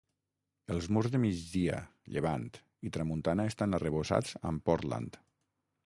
Els murs de migdia, llevant i tramuntana estan arrebossats amb Portland.